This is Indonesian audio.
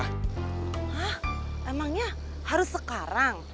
hah emangnya harus sekarang